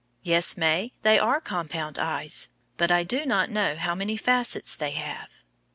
Yes, May, they are compound eyes, but I do not know how many facets they have.